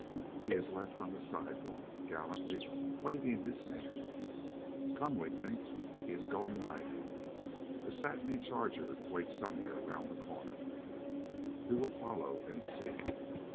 He is left on the sidewalk, gallantly waving his hand. Come, we think, he is going riding. A satiny charger waits somewhere round the corner. We will follow and see.